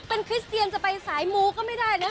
เป็นคริสเตียนจะไปสายมูก็ไม่ได้นะ